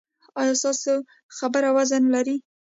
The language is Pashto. ایا ستاسو خبره وزن لري؟